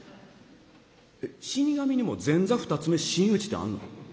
「えっ死神にも前座二ツ目真打ちってあんの？